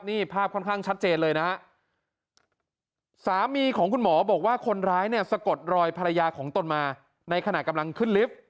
นี่ภาพค่อนข้างชัดเจนเลยนะฮะสามีของคุณหมอบอกว่าคนร้ายเนี่ยสะกดรอยภรรยาของตนมาในขณะกำลังขึ้นลิฟต์